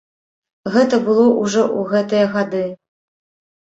Гэта было ўжо ў гэтыя гады.